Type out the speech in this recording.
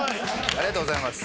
ありがとうございます。